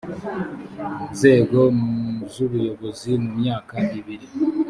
nzego z ubuyobozi mu myaka ibiri